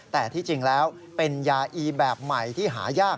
แต่ที่จริงแล้วเป็นยาอีแบบใหม่ที่หายาก